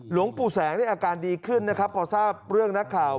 หลวงปู่แสงในอาการดีขึ้นนะครับพอทราบเรื่องนักข่าว